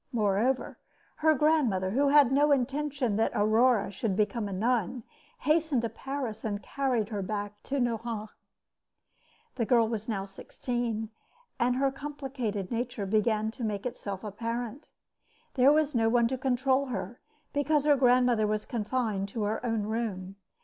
Moreover, her grandmother, who had no intention that Aurore should become a nun, hastened to Paris and carried her back to Nohant. The girl was now sixteen, and her complicated nature began to make itself apparent. There was no one to control her, because her grandmother was confined to her own room.